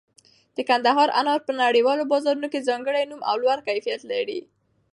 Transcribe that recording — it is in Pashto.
د کندهار انار په نړیوالو بازارونو کې ځانګړی نوم او لوړ کیفیت لري.